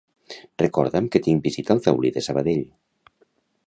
Recorda'm que tinc visita al Taulí de Sabadell.